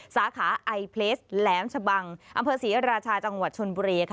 สาขาไอเพลสแหลมชะบังอำเภอศรีราชาจังหวัดชนบุรี